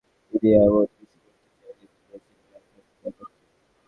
তিনি এমন কিছু করতে চাইলে পুরো সেনাবাহিনী থাকত তাঁর পক্ষে।